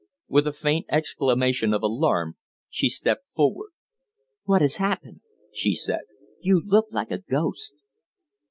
With a faint exclamation of alarm she stepped forward. "What has happened?" she said. "You look like a ghost."